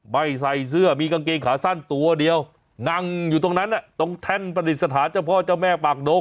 ไม่ใส่เสื้อมีกางเกงขาสั้นตัวเดียวนั่งอยู่ตรงนั้นตรงแท่นประดิษฐานเจ้าพ่อเจ้าแม่ปากดง